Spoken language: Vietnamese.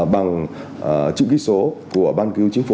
bằng chữ ký số của ban cứu chính phủ